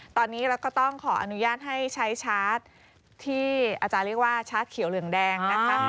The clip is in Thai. ตอนนี้เราก็ต้องขออนุญาตให้ใช้ชาร์จที่อาจารย์เรียกว่าชาร์จเขียวเหลืองแดงนะคะ